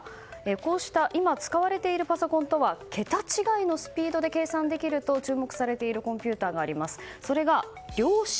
こうした今、使われているパソコンとは桁違いに計算できると注目されているコンピューターがあります。